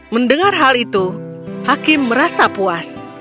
mendengar hal itu hakim merasa puas